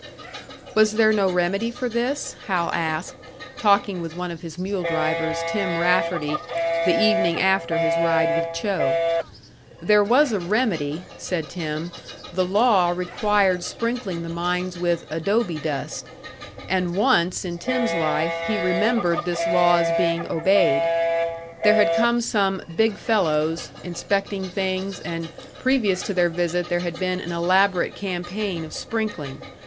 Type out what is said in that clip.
Was there no remedy for this, Hal asked, talking with one of his mule drivers, Tim Rafferty, the evening after his ride with Cho. There was a remedy, said Tim the law required sprinkling the mines with "adobe dust"; and once in Tim's life, he remembered this law's being obeyed. There had come some "big fellows" inspecting things, and previous to their visit there had been an elaborate campaign of sprinkling.